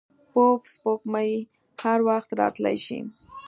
پوپ سپوږمۍ هر وخت راتلای شي.